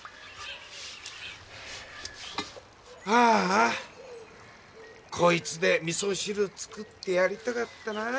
ああこいつで味噌汁作ってやりたかったなあ。